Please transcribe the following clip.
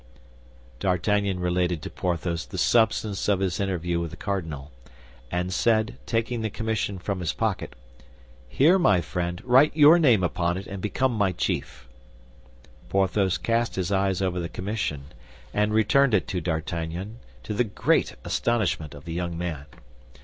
D'Artagnan related to Porthos the substance of his interview with the cardinal, and said, taking the commission from his pocket, "Here, my friend, write your name upon it and become my chief." Porthos cast his eyes over the commission and returned it to D'Artagnan, to the great astonishment of the young man.